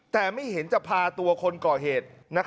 แต่ไม่เห็นจะพาตัวคนก่อเหตุ